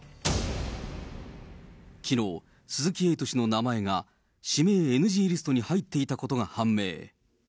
きのう、鈴木エイト氏の名前が指名ＮＧリストに入っていたことが判明。